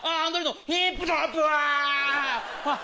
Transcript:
あっ！